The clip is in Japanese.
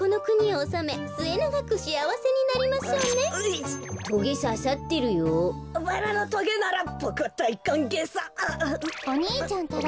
お兄ちゃんたら！